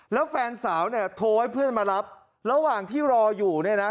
แล้วแฟนสาวเนี่ยโทรให้เพื่อนมารับระหว่างที่รออยู่เนี่ยนะ